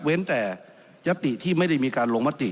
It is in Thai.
แต่ยัตติที่ไม่ได้มีการลงมติ